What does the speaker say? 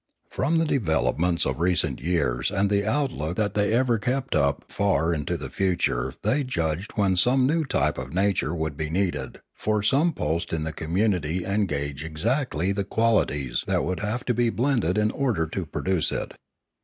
From the developments of recent years and the outlook that they ever kept up far into the future they judged when some new type of nature would be needed for some post in the community and gauged exactly the qualities that would have to be blended in order to produce it.